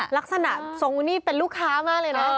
ลักษณะทรงนี่เป็นลูกค้ามากเลยนะ